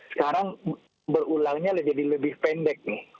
sekarang berulangnya jadi lebih pendek nih